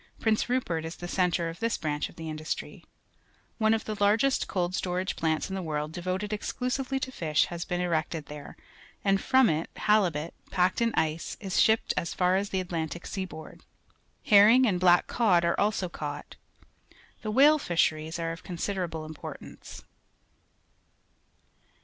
Prince Rupert is the centre of this branch of the mdustry. One of the largest cold storage plants in the world devoted exclusively to fish has been erected there, and from it haUbut, packed in ice, is sliipped as far as the Atlantic sea board. Hfimng^and^ blac k eod are also caught. The whale fisheries a re of considerable importance.